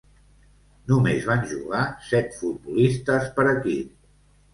Només van jugar set futbolistes per equip.